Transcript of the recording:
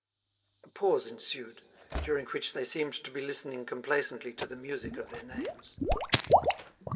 A pause ensued, during which they seemed to be listening complacently to the music of their names.